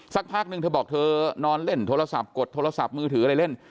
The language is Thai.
สักพักนึงเธอบอกเธอนอนเล่นโทรศัพท์กดโทรศัพท์มือถืออะไรเล่น